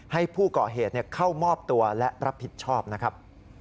ให้ผู้ก่อเหตุเข้ามอบตัวและรับผิดชอบนะครับ